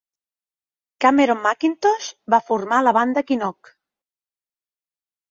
Cameron MacIntosh va formar la banda Chinook.